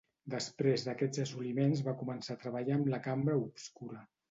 Després d'aquests assoliments va començar a treballar amb la cambra obscura.